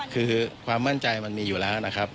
คือความมั่นใจมันมีอยู่แล้วนะครับ